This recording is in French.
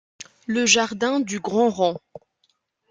Le jardin du Grand Rond.